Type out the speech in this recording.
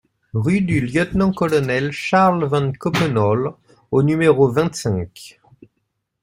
Rue du Lieutenant-Colonel Charles Van Coppenolle au numéro vingt-cinq